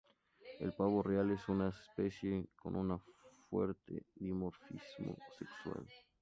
El pavo real es una especie con un fuerte dimorfismo sexual.